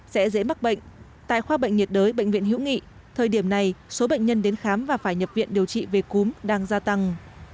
sẽ dễ mắc bệnh tại khoa bệnh nhiệt đới bệnh viện hữu nghị thời điểm này số bệnh nhân đến khám và phải nhập viện điều trị về cúm đang gia tăng